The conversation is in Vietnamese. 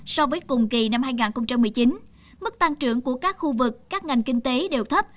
so với cùng kỳ năm hai nghìn một mươi chín mức tăng trưởng của các khu vực các ngành kinh tế đều thấp